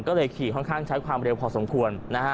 ก็เลยขี่ค่อนข้างใช้ความเร็วพอสมควร